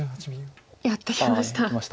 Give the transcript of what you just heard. やってきました。